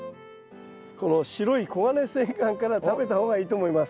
この白いコガネセンガンから食べた方がいいと思います。